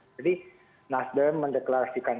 jadi nasden mendeklarasikan